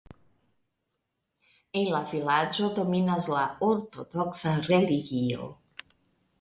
En la vilaĝo dominas la ortodoksa religio.